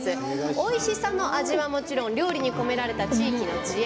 おいしさの味はもちろん料理に込められた地域の知恵。